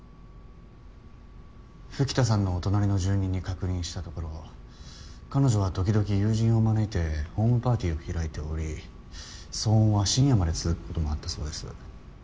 吹田さんのお隣の住人に確認したところ彼女は時々友人を招いてホームパーティーを開いており騒音は深夜まで続くこともあったそうです。